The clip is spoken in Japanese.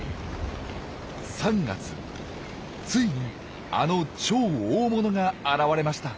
ついにあの超大物が現れました。